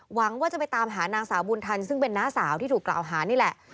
หวังว่าจะไปตามหานางสาวบุญทันซึ่งเป็นน้าสาวที่ถูกกล่าวหานี่แหละ